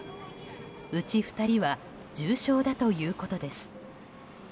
うち２人は重症だということです。